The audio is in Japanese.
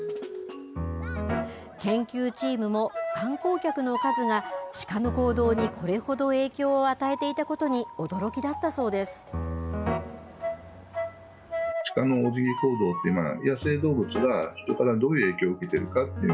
研究チームも観光客の数が、鹿の行動にこれほど影響を与えていたことに驚きだったそうです。という、知っていました。